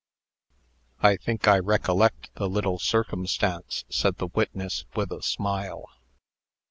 "I think I recollect the little circumstance," said the witness, with a smile.